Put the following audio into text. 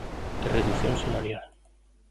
E redución salarial.